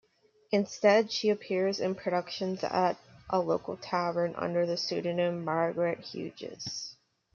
Instead, she appears in productions at a local tavern under the pseudonym Margaret Hughes.